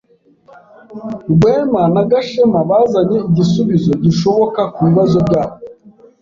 Rwema na Gashema bazanye igisubizo gishoboka kubibazo byabo.